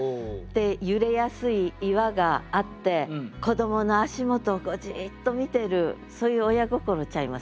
揺れやすい岩があって子どもの足元をじっと見てるそういう親心ちゃいます？